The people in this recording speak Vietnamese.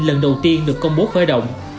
lần đầu tiên được công bố khởi động